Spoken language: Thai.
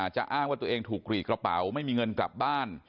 อ้างว่าตัวเองถูกกรีดกระเป๋าไม่มีเงินกลับบ้าน